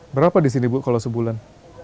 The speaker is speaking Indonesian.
berapa di sini bu kalau sebulan